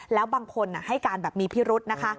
แล้วบางคนให้การแบบมีพิรุษนะคะ